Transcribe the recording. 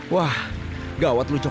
wah gawat lu cok